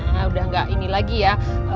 ya udah gak ini lagi ya